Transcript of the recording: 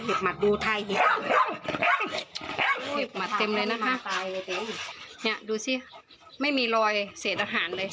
หมัดดูทายบหมัดเต็มเลยนะคะเนี่ยดูสิไม่มีรอยเศษอาหารเลย